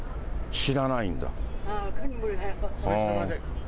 知らないんだ。